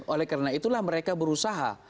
oleh karena itulah mereka berusaha